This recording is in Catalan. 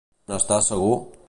N'estàs segur?